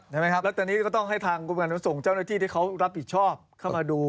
ใช่ไหมครับแล้วตอนนี้ก็ต้องให้ทางกรมการขนส่งเจ้าหน้าที่ที่เขารับผิดชอบเข้ามาดู